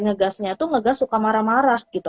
ngegasnya itu ngegas suka marah marah gitu